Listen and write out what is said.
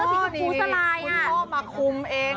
อ๋อนี่คุณพ่อมาคุมเอง